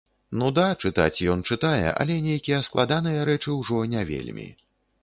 Ну да, чытаць ён чытае, але нейкія складаныя рэчы ўжо не вельмі.